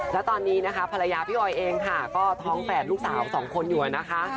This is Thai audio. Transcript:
แล้วตอนนี้นะคะภรรยาพี่ออยเองค่ะก็ท้องแฝดลูกสาว๒คนอยู่นะคะ